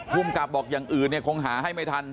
ภูมิกับบอกอย่างอื่นเนี่ยคงหาให้ไม่ทัน